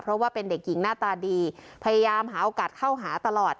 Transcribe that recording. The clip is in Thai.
เพราะว่าเป็นเด็กหญิงหน้าตาดีพยายามหาโอกาสเข้าหาตลอด